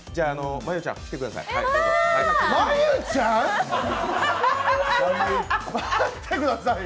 真悠ちゃん？待ってくださいよ。